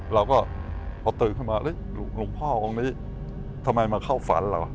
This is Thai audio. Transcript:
เราก็พอตื่นขึ้นมาหลวงพ่อองค์นี้ทำไมมาเข้าฝันเหรอ